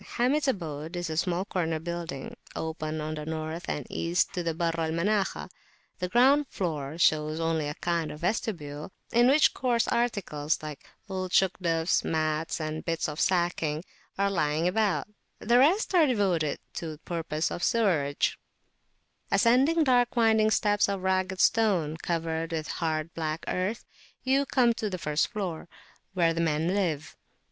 Hamid's abode is a small corner building, open on the North and East to the Barr al Manakhah: the ground floor shows only a kind of vestibule, in which coarse articles, like old Shugdufs, mats and bits of sacking, are lying about; the rest are devoted to purposes of sewerage. Ascending dark winding steps of ragged stone covered with hard black earth, you come to the first floor, where the men live.